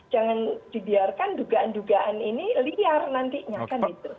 jangan dibiarkan dugaan dugaan ini liar nantinya kan itu